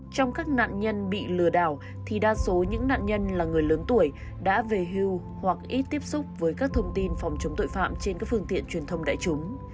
trong các nạn nhân bị lừa đảo thì đa số những nạn nhân là người lớn tuổi đã về hưu hoặc ít tiếp xúc với các thông tin phòng chống tội phạm trên các phương tiện truyền thông đại chúng